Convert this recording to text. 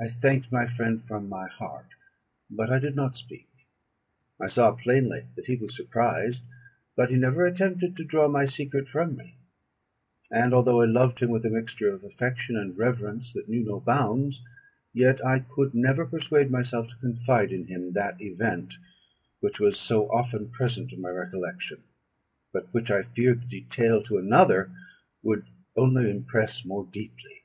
I thanked my friend from my heart, but I did not speak. I saw plainly that he was surprised, but he never attempted to draw my secret from me; and although I loved him with a mixture of affection and reverence that knew no bounds, yet I could never persuade myself to confide to him that event which was so often present to my recollection, but which I feared the detail to another would only impress more deeply.